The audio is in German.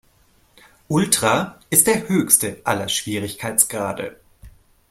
Ultra ist der höchste aller Schwierigkeitsgrade.